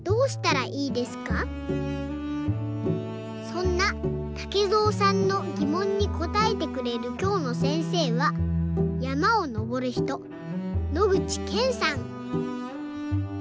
そんなたけぞうさんのぎもんにこたえてくれるきょうのせんせいはやまをのぼるひと野口健さん。